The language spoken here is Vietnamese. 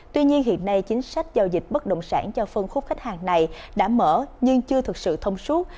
tuy nhiên hiện nay chính sách giao dịch bất động sản cho phân khúc khách hàng này đã mở nhưng chưa thực sự thông suốt